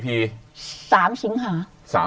๓สิงหา